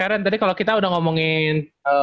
karen tadi kalau kita udah ngomongin